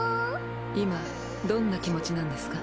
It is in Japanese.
今どんな気持ちなんですか？